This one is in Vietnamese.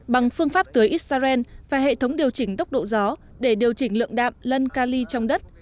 bằng phương pháp tưới israel và hệ thống điều chỉnh tốc độ gió để điều chỉnh lượng đạm lân ca ly trong đất